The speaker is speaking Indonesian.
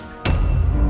belum pernah sih mbak